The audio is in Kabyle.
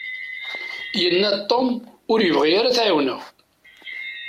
Yanna-d Tom ur yebɣi ara ad t-ɛiwneɣ.